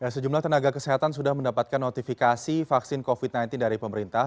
sejumlah tenaga kesehatan sudah mendapatkan notifikasi vaksin covid sembilan belas dari pemerintah